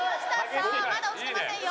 さあまだ落ちてませんよ。